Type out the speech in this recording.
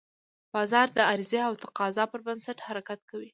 بازار د عرضې او تقاضا پر بنسټ حرکت کوي.